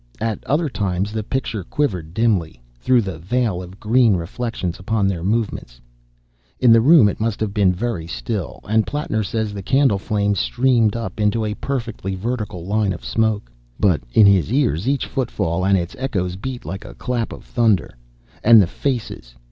At other times the picture quivered dimly, through the veil of green reflections upon their movements. In the room it must have been very still, and Plattner says the candle flame streamed up into a perfectly vertical line of smoke, but in his ears each footfall and its echoes beat like a clap of thunder. And the faces!